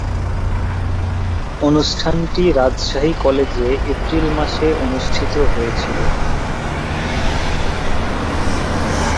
অনুষ্ঠানটি রাজশাহী কলেজে এপ্রিল মাসে অনুষ্ঠিত হয়েছিলো।